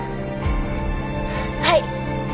はい。